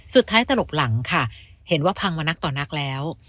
ตลบหลังค่ะเห็นว่าพังมานักต่อนักแล้ว